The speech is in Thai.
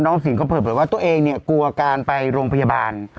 น้องสินก็เผ็ดว่าตัวเองกลัวการไปโรงพยาบาล